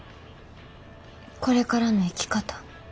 これからの生き方。